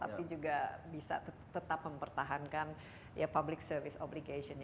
tapi juga bisa tetap mempertahankan ya public service obligation